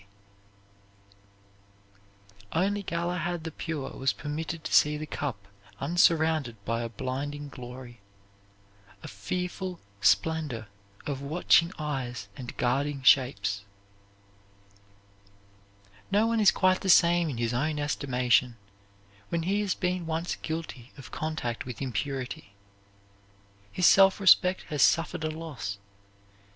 Only Galahad the Pure was permitted to see the cup unsurrounded by a blinding glory, a fearful splendor of watching eyes and guarding shapes. No one is quite the same in his own estimation when he has been once guilty of contact with impurity. His self respect has suffered a loss.